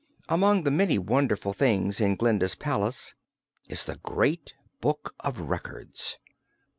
Among the many wonderful things in Glinda's palace is the Great Book of Records.